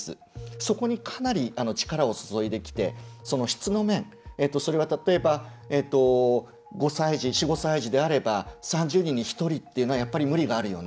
そこにかなり力を注いできて質の面、それは例えば５歳児、４５歳児であれば３０人に１人というのは無理があるよね